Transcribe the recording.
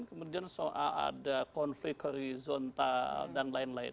kemudian soal ada konflik horizontal dan lain lain